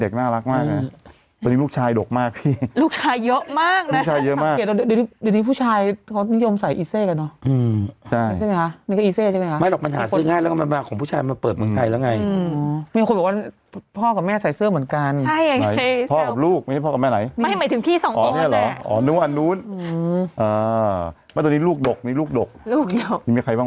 คนที่พูดเก่งมันก็ตัดไปมันก็เหลือแค่คนเดียว